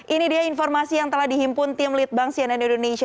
ini dia informasi yang telah dihimpun tim litbang cnn indonesia